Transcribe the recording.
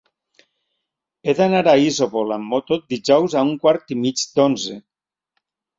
He d'anar a Isòvol amb moto dijous a un quart i mig d'onze.